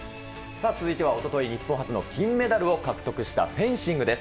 続いてはおととい、日本初の金メダルを獲得したフェンシングです。